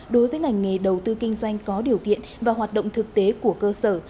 đối với ngành nghề đầu tư kinh doanh có điều kiện và hoạt động thực tế của cơ sở